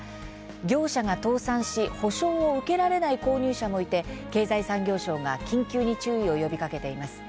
業者が倒産し補償を受けられない購入者もいて経済産業省が緊急に注意を呼びかけています。